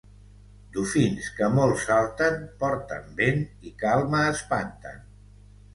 Dofins que molt salten, porten vent i calma espanten.